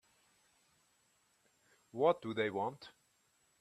What do they want?